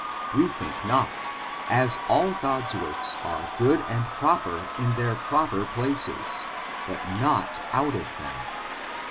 We think not, as all God's works are good and proper in their proper places, but not out of them.